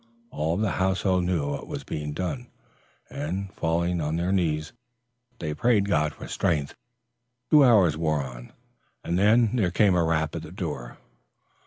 All of the household knew what was being done, and, falling on their knees, they prayed God for strength. Two hours wore on, and then there came a rap at the door.